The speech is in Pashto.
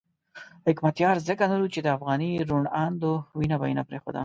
حکمتیار ځکه نر وو چې د افغاني روڼاندو وینه به یې نه پرېښوده.